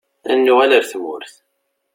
Ad nuɣal ɣer tmurt.